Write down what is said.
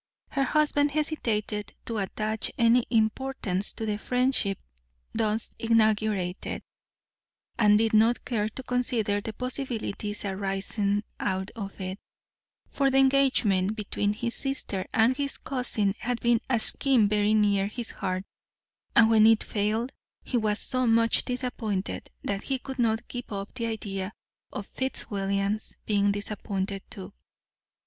Her husband hesitated to attach any importance to the friendship thus inaugurated, and did not care to consider the possibilities arising out of it, for the engagement between his sister and his cousin had been a scheme very near his heart, and when it failed he was so much disappointed that he could not give up the idea of Fitzwilliam's being disappointed too.